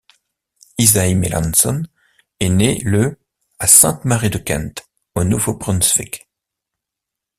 Isaïe Melanson est né le à Sainte-Marie-de-Kent, au Nouveau-Brunswick.